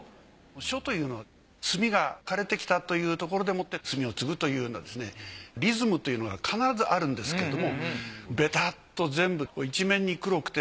書というのは墨が枯れてきたというところでもって墨をつぐというのでですねリズムというのが必ずあるんですけれどもベタッと全部一面に黒くて。